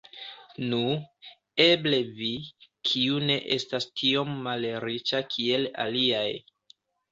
Nu, eble vi, kiu ne estas tiom malriĉa kiel aliaj.